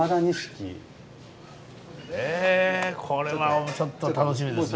へこれはちょっと楽しみですね。